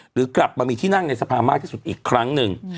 หรือกลับมามีที่นั่งในสภามากที่สุดอีกครั้งหนึ่ง